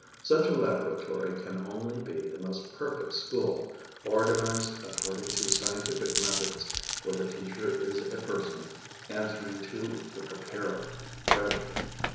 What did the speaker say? Such a laboratory can only be the most perfect school, organized according to scientific methods, where the teacher is a person answering to the "preparer" graduate.